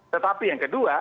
tetapi yang kedua